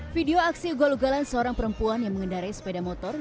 video aksi ugal ugalan seorang perempuan yang mengendarai sepeda motor